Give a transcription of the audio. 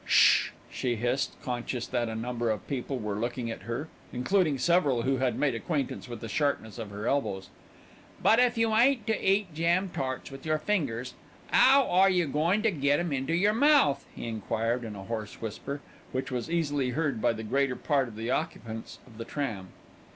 "Sssh!" she hissed, conscious that a number of people were looking at her, including several who had made acquaintance with the sharpness of her elbows. "But if you ain't to eat jam tarts with yer fingers, 'ow are you goin' to get 'em into yer mouth?" he enquired in a hoarse whisper, which was easily heard by the greater part of the occupants of the tram.